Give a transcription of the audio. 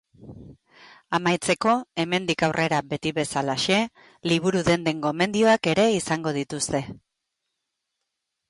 Amaitzeko, hemendik aurrera beti bezalaxe, liburu-denden gomendioak ere izango dituzte.